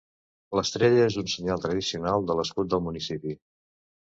L'estrella és un senyal tradicional de l'escut del municipi.